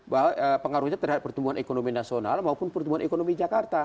bahwa pengaruhnya terhadap pertumbuhan ekonomi nasional maupun pertumbuhan ekonomi jakarta